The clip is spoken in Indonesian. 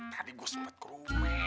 tadi gue sempat ke rumah